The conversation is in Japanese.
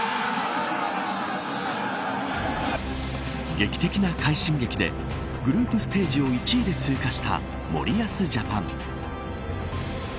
劇的な快進撃でグループステージを１位で通過した森保ジャパン。